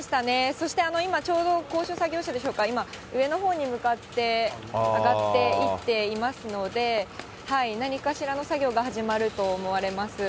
そして今ちょうど高所作業車でしょうか、上のほうに向かって上がっていっていますので、何かしらの作業が始まると思われます。